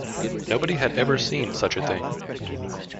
Nobody had ever seen such a thing.